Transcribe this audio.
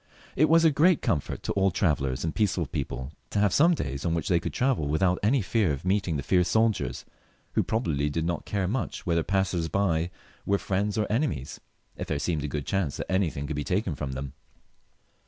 It was a XII.] HENRY L 63 great comfort to all travellers and peaceful people to have some days on which they could travel without any fear of meeting the fierce soldiers, who probably did not care much whether passers by were Mends or enemies, if there seemed a good chance that anything could be taken from them.